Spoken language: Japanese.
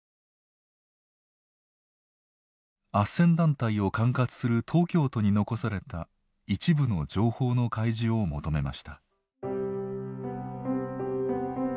あっせん団体を管轄する東京都に残された一部の情報の開示を求めました。